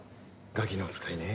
ガキの使いね。